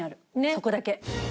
そこだけ。